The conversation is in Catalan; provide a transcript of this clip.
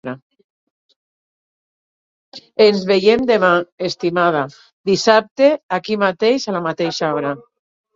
Ens veiem demà, estimada; dissabte, aquí mateix, a la mateixa hora...